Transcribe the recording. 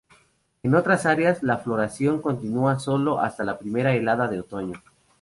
En otras áreas, la floración continúa sólo hasta la primera helada de otoño.